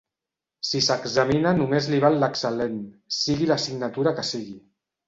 Si s'examina només li val l'excel.lent, sigui l'assignatura que sigui.